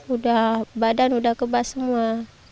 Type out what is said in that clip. udah badan udah kebas semua